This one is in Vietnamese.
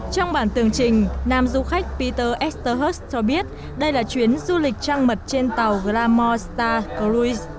trong bản tường trình nam du khách peter esterhut cho biết đây là chuyến du lịch trang mật trên tàu glamour star cruise